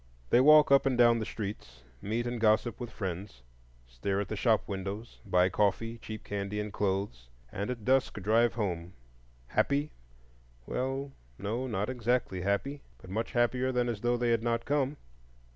They walk up and down the streets, meet and gossip with friends, stare at the shop windows, buy coffee, cheap candy, and clothes, and at dusk drive home—happy? well no, not exactly happy, but much happier than as though they had not come.